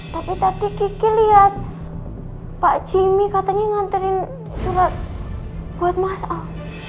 tapi tadi kiki lihat pak jimmy katanya nganterin surat buat mas al